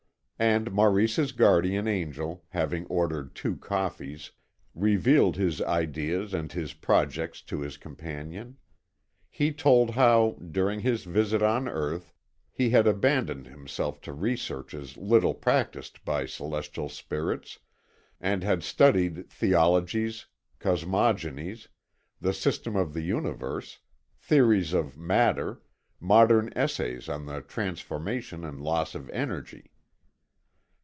And Maurice's guardian angel, having ordered two coffees, revealed his ideas and his projects to his companion: he told how, during his visit on earth, he had abandoned himself to researches little practised by celestial spirits and had studied theologies, cosmogonies, the system of the Universe, theories of matter, modern essays on the transformation and loss of energy.